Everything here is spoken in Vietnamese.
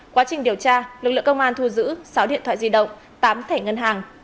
quá trình điều tra lực lượng công an thu giữ sáu điện thoại di động tám thẻ ngân hàng